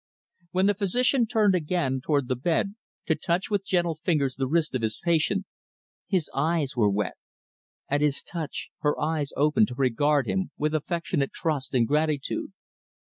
When the physician turned again toward the bed, to touch with gentle fingers the wrist of his patient, his eyes were wet. At his touch, her eyes opened to regard him with affectionate trust and gratitude.